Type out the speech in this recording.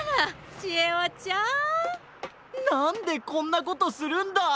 なんでこんなことするんだ！？